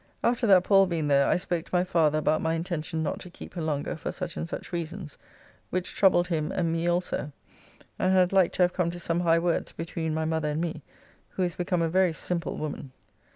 After that Pall being there I spoke to my father about my intention not to keep her longer for such and such reasons, which troubled him and me also, and had like to have come to some high words between my mother and me, who is become a very simple woman.